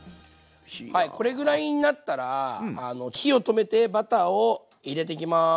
はいこれぐらいになったら火を止めてバターを入れていきます。